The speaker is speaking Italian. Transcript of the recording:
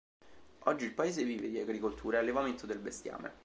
Oggi il paese vive di agricoltura e allevamento del bestiame.